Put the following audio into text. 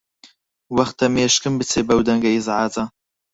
وەختە مێشکم بچێ بەو دەنگە ئیزعاجە.